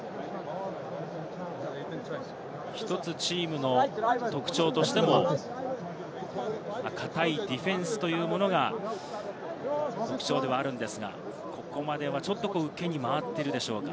１つチームの特徴として、堅いディフェンスが特徴ではあるのですが、ここまでは受けに回っているでしょうか。